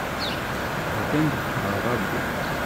Atan deg uɣerrabu.